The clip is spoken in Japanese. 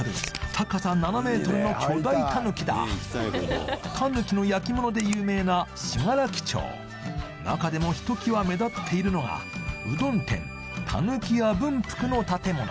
高さ７ｍの巨大タヌキだ狸の焼き物で有名な信楽町中でもひときわ目立っているのがうどん店狸家分福の建物